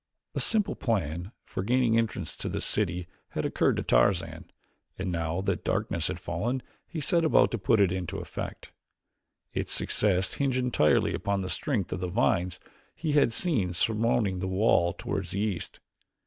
A simple plan for gaining entrance to the city had occurred to Tarzan, and now that darkness had fallen he set about to put it into effect. Its success hinged entirely upon the strength of the vines he had seen surmounting the wall toward the east.